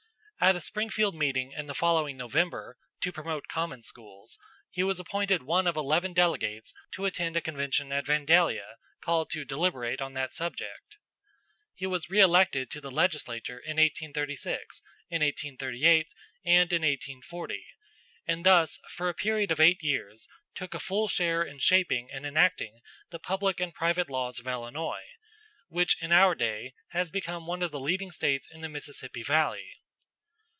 At a Springfield meeting in the following November to promote common schools, he was appointed one of eleven delegates to attend a convention at Vandalia called to deliberate on that subject. He was reëlected to the legislature in 1836, in 1838, and in 1840, and thus for a period of eight years took a full share in shaping and enacting the public and private laws of Illinois, which in our day has become one of the leading States in the Mississippi valley.